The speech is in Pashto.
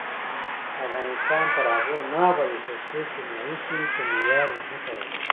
افغانستان تر هغو نه ابادیږي، ترڅو کیمیاوي سرې په معیار ونه کارول شي.